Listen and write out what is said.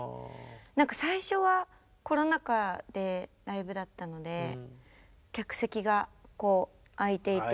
最初はコロナ禍でライブだったので客席が空いていて。